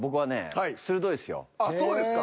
あっそうですか。